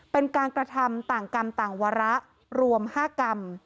เป็นการกระทำต่างกรรมต่างวาระรวม๕กรรม